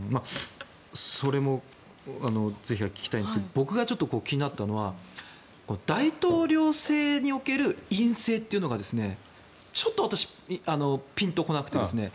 それも聞きたいんですが僕がちょっと気になったのは大統領制における院政というのがちょっと私ピンと来なくてですね。